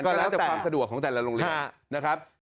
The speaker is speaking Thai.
แล้วแต่ความสะดวกของแต่ละโรงเรียนนะครับ